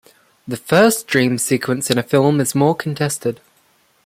The first dream sequence in a film is more contested.